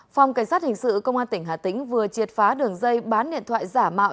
phòng cảnh sát hình sự công an tỉnh hà tĩnh vừa triệt phá đường dây bán điện thoại giả mạo